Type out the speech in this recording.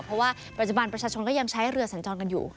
เพราะว่าปัจจุบันประชาชนก็ยังใช้เรือสัญจรกันอยู่